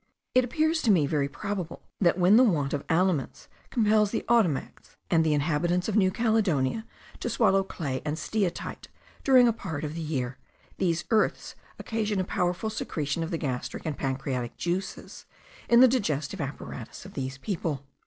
It appears to me very probable, that when the want of aliments compels the Ottomacs and the inhabitants of New Caledonia to swallow clay and steatite during a part of the year, these earths occasion a powerful secretion of the gastric and pancreatic juices in the digestive apparatus of these people.